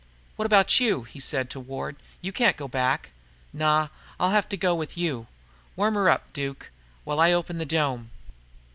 "What about you?" he said to Ward. "You can't go back." "Nah. I'll have to go with you. Warm her up, Duke, while I open the dome."